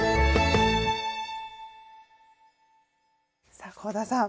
さあ香田さん